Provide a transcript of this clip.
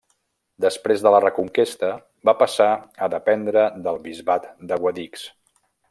Després de la Reconquesta va passar a dependre del Bisbat de Guadix.